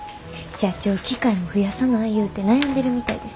社長機械も増やさないうて悩んでるみたいです。